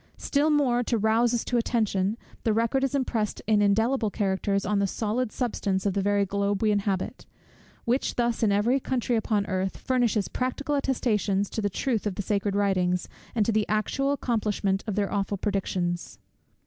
Still more to rouse us to attention, the record is impressed in indelible characters on the solid substance of the very globe we inhabit; which thus, in every country upon earth, furnishes practical attestations to the truth of the sacred writings, and to the actual accomplishment of their awful predictions.